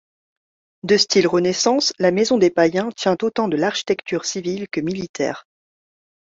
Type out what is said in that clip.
De style Renaissance, la maison des Païens tient autant de l'architecture civile que militaire.